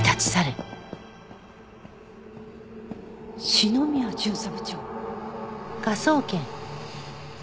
篠宮巡査部長？